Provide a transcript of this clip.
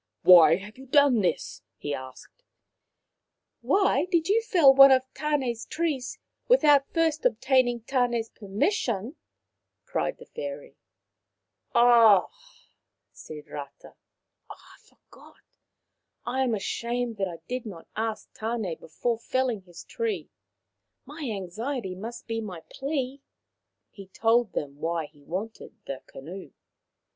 " Why have 3^ou done this ?" he asked. " Why did you fell one of Tan6's trees without 164 Maoriland Fairy Tales first obtaining Tank's permission ?" cried the fairy. M Ah !" said Rata. " I forgot. I am ashamed that I did not ask Tan6 before felling his tree. My anxiety must be my plea." He told them why he wanted the canoe.